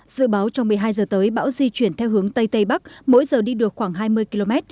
dự báo trong một mươi hai giờ tới bão di chuyển theo hướng tây tây bắc mỗi giờ đi được khoảng hai mươi km